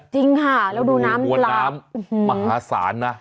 จริงค่ะแล้วดูน้ำมวลน้ำมหาศาลนะ